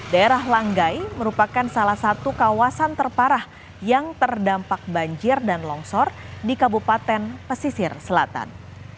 daerah langgai merupakan salah satu kawasan terparah yang terdampak banjir dan longsor di kabupaten pesisir selatan